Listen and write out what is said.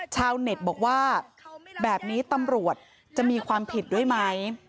ชาวเน็ตบอกว่าแบบนี้ตำรวจจะมีความผิดด้วยไหม